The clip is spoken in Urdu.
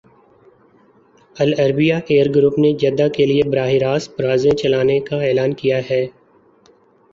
العربیہ ایئر گروپ نے جدہ کے لیے براہ راست پروازیں چلانے کا اعلان کیا ہے